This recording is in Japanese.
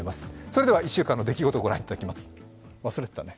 それでは１週間の出来事を御覧いただきます。